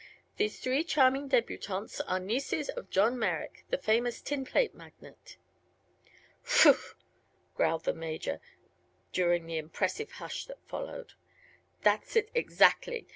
These three charming debutantes are nieces of John Merrick, the famous tin plate magnate." "Phoo!" growled the Major, during the impressive hush that followed; "that's it, exactly.